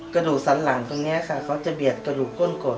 กระดูกสันหลังตรงนี้ค่ะเขาจะเบียดกระดูกก้นกด